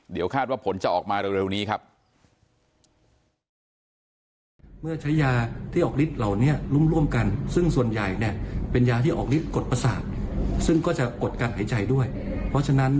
เดี๋ยวคาดว่าผลจะออกมาเร็วนี้ครับ